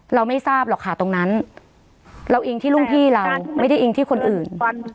เราไม่ทราบหรอกค่ะตรงนั้นเราอิงที่รุ่นพี่เราไม่ได้อิงที่คนอื่น